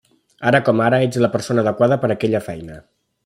Ara com ara ets la persona adequada per aquella feina.